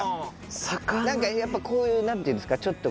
何かやっぱこういう何ていうんですかちょっと。